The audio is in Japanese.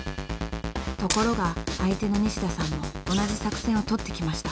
［ところが相手の西田さんも同じ作戦を取ってきました。